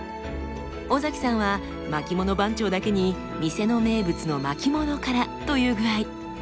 尾崎さんは巻物番長だけに店の名物の巻物からという具合。